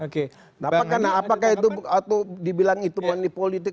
kenapa karena apakah itu atau dibilang itu pun di politik